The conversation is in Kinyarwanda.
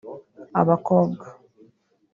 abakobwa